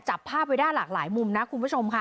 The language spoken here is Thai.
จับภาพไว้ได้หลากหลายมุมนะคุณผู้ชมค่ะ